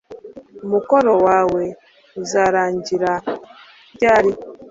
Umukoro wawe uzarangira ryari